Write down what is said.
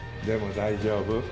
でも大丈夫。